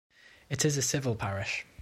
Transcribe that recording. It is a civil parish.